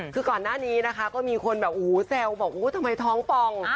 คือก่อนหน้านี้นะคะก็มีคนแบบโอ้โหแซวบอกทำไมท้องปอง